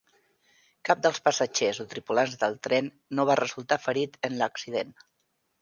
Cap dels passatgers o tripulants del tren no va resultar ferit en l'accident.